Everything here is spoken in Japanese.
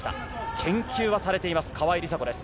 研究はされています、川井梨紗子です。